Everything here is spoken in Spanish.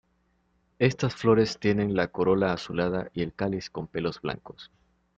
Estas flores tienen la corola azulada y el cáliz con pelos blancos.